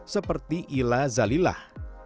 seperti ila zalilah